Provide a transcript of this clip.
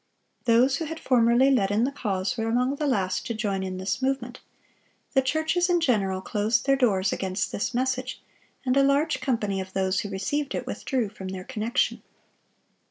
Those who had formerly led in the cause were among the last to join in this movement. The churches in general closed their doors against this message, and a large company of those who received it withdrew from their connection.